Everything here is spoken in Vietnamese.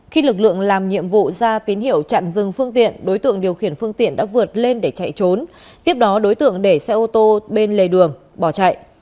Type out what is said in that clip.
khi lực lượng làm nhiệm vụ ra tín hiệu chặn dừng phương tiện đối tượng điều khiển phương tiện đã vượt lên để chạy trốn tiếp đó đối tượng để xe ô tô bên lề đường bỏ chạy